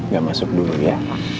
gak masuk dulu ya